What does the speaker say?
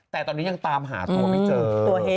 แต่ตอนนี้ยังตามหาตัวไม่เจอ